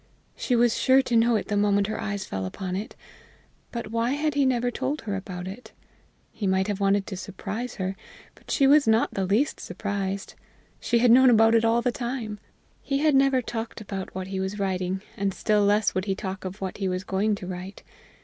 She was sure to know it the moment her eyes fell upon it. But why had he never told her about it? He might have wanted to surprise her, but she was not the least surprised. She had known it all the time! He had never talked about what he was writing, and still less would he talk of what he was going to write.